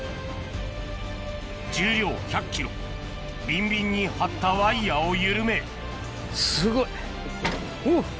重量１００ｋｇビンビンに張ったワイヤを緩めすごいおっ。